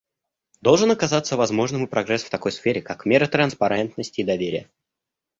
Должен оказаться возможным и прогресс в такой сфере, как меры транспарентности и доверия.